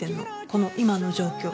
この今の状況。